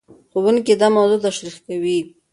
ښوونکي دا موضوع تشريح کوي.